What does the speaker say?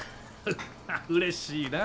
うれしいなぁ。